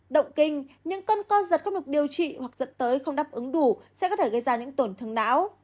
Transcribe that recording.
động kinh những cân co giật không được điều trị hoặc giật tới không đáp ứng đủ sẽ có thể gây ra những tổn thương não